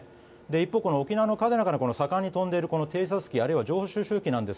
一方、沖縄の嘉手納から盛んに飛んでいる偵察機あるいは情報収集機